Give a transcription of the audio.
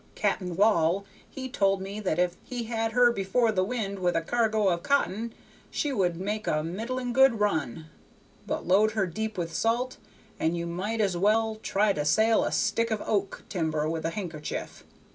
Cap'n Wall he told me that if he had her before the wind with a cargo of cotton, she would make a middling good run, but load her deep with salt, and you might as well try to sail a stick of oak timber with a handkerchief.